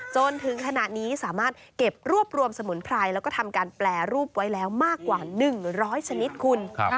จนถึงขณะนี้สามารถเก็บรวบรวมสมุนไพรแล้วก็ทำการแปรรูปไว้แล้วมากกว่า๑๐๐ชนิดคุณ